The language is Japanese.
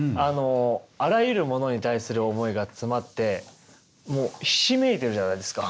あらゆるものに対する思いが詰まってもうひしめいてるじゃないですか。